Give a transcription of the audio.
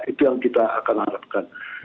itu yang kita akan harapkan